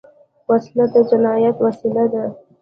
وسله د جنايت وسیله ده